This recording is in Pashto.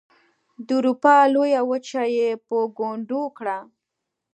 د اروپا لویه وچه یې په ګونډو کړه.